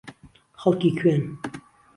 خەڵکی کوێن؟